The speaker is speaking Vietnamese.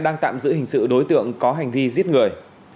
đang tạm giữ hình sự đối tượng có hành vi giết người